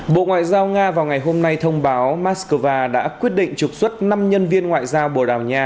bộ ngoại giao nga vào ngày hôm nay thông báo moscow đã quyết định trục xuất năm nhân viên ngoại giao bồ đào nha